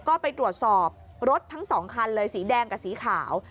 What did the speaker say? ก็ไปตรวจสอบรถทั้ง๒คันเลยสีแดงกับสีขาว